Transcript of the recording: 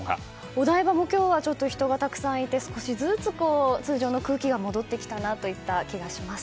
お台場も今日は人がたくさんいて少しずつ通常の空気が戻ってきたなという気がします。